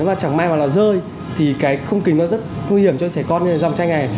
nếu mà chẳng may mà nó rơi thì cái khung kính nó rất nguy hiểm cho trẻ con như dòng tranh này